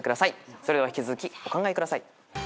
それでは引き続きお考えください。